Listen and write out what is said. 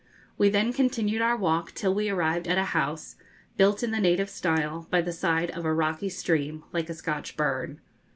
We then continued our walk till we arrived at a house, built in the native style, by the side of a rocky stream, like a Scotch burn.